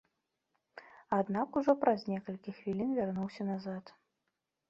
Аднак ужо праз некалькі хвілін вярнуўся назад.